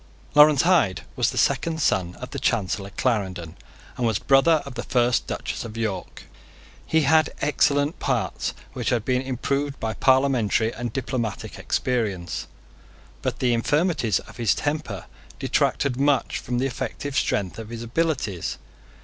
Lawrence Hyde was the second son of the Chancellor Clarendon, and was brother of the first Duchess of York. He had excellent parts, which had been improved by parliamentary and diplomatic experience; but the infirmities of his temper detracted much from the effective strength of his abilities.